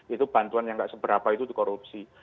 itu bantuan yang nggak seberapa itu dikorupsi